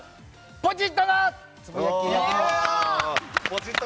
ポチッとな。